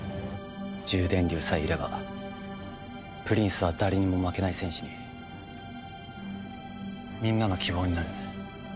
獣電竜さえいればプリンスは誰にも負けない戦士にみんなの希望になる。